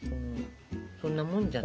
そんなもんじゃない？